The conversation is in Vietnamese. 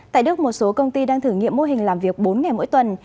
tại đức một số công ty đang thử nghiệm mô hình làm việc bốn ngày mỗi tuần